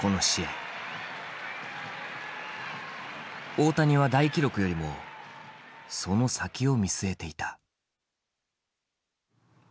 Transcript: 大谷は大記録よりもその先を見据えていた。